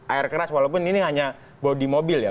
air keras walaupun ini hanya bodi mobil ya